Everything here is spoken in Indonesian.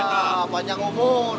nah panjang umur